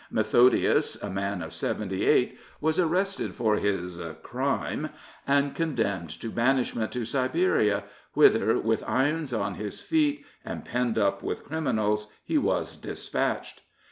Methodius, a man of seventy eight, was arrested for his crime," and condemned to banishment to Siberia, whither, with irons on his feet, and penned up with criminals, he was dispatched.